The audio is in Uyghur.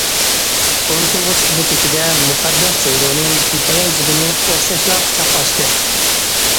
ئۇنتۇلغۇسىز بۇ كېچىدە، مۇقەددەس جۇڭگونىڭ بىپايان زېمىنى ئوخشاشلا قۇچاق ئاچتى.